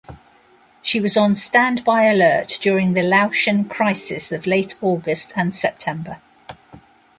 She was on standby alert during the Laotian crisis of late August and September.